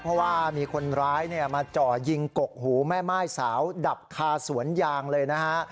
เพราะว่ามีคนร้ายมาจ่อยิงกกหูแม่ม่ายสาวดับคาสวนยางเลยนะฮะ